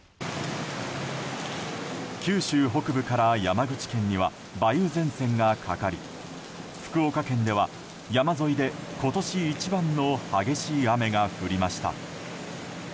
九州北部から山口県には梅雨前線がかかり福岡県では、山沿いで今年一番の激しい雨が降りました。